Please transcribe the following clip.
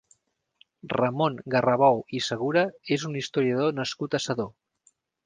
Ramon Garrabou i Segura és un historiador nascut a Sedó.